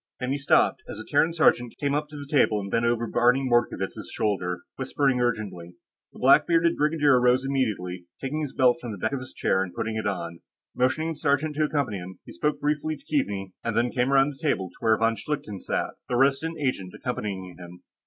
Then he stopped, as a Terran sergeant came up to the table and bent over Barney Mordkovitz' shoulder, whispering urgently. The black bearded brigadier rose immediately, taking his belt from the back of his chair and putting it on. Motioning the sergeant to accompany him, he spoke briefly to Keaveney and then came around the table to where von Schlichten sat, the Resident Agent accompanying him.